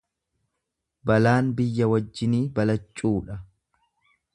Balaan biyya wajjinii balaccuudha.